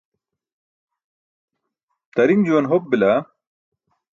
tariṅ juwan hop bila